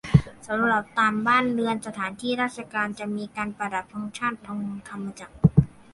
สำหรับตามบ้านเรือน สถานที่ราชการ จะมีการประดับธงชาติ ธงธรรมจักร